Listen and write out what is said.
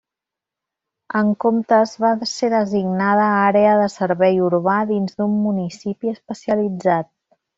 En comptes va ser designada àrea de servei urbà dins d'un municipi especialitzat.